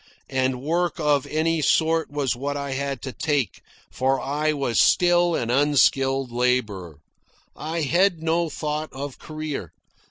And work of any sort was what I had to take, for I was still an unskilled labourer. I had no thought of career.